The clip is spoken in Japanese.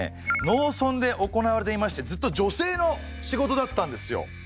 農村で行われていましてずっと女性の仕事だったんですよ。